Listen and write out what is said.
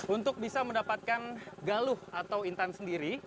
untuk bisa mendapatkan galuh atau intan sendiri